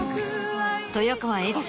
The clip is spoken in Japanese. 豊川悦司